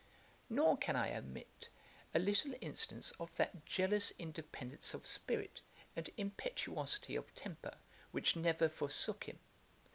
Nor can I omit a little instance of that jealous independence of spirit, and impetuosity of temper, which never forsook him.